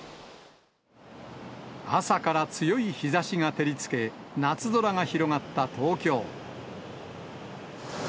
朝から強い日ざしが照りつけ、夏空が広がった東京。